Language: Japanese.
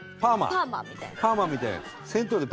パーマみたいな。